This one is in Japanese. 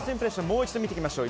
もう一度見ていきましょう。